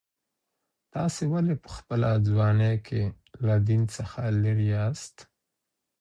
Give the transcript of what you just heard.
تاسي ولي په خپله ځواني کي له دین څخه لیري یاست؟